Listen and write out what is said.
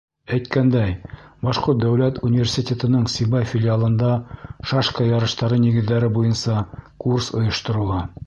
Әйткәндәй, Башҡорт дәүләт университетының Сибай филиалында шашка ярыштары нигеҙҙәре буйынса курс ойошторола.